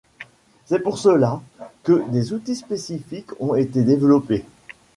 C'est pour cela que des outils spécifiques ont été développés.